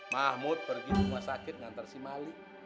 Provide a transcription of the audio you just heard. mahmud pergi rumah sakit ngantar si malik